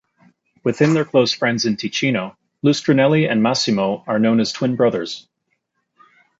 Within their close friends in Ticino, Lustrinelli and Massimo are known as twin brothers.